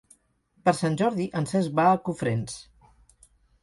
Per Sant Jordi en Cesc va a Cofrents.